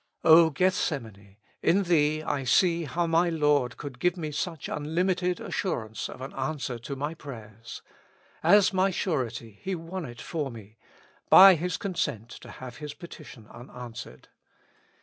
O Gethsemane ! in thee I see how my Lord could give me such unlimited assurance of an answer to my prayers. As my surety He won it for me, by His consent to have His petition unanswered.